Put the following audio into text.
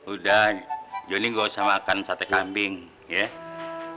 udah johnny gak usah makan sate kambing ya